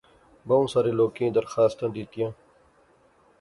بہوں سارے لوکیں درخواستاں دیتیاں